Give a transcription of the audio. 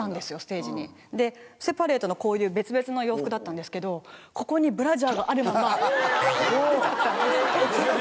セパレートのこういう別々の洋服だったんですけどここにブラジャーがあるまま出ちゃったんですよ。